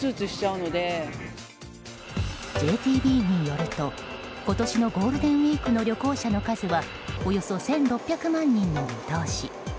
ＪＴＢによると今年のゴールデンウィークの旅行者の数はおよそ１６００万人の見通し。